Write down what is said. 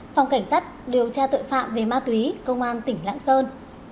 ba phòng cảnh sát điều tra tội phạm về ma túy công an tp lãng sơn